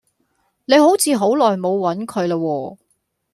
你好似好耐冇揾佢啦喎